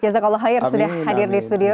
jazakallah khair sudah hadir di studio